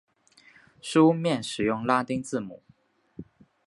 书面使用拉丁字母。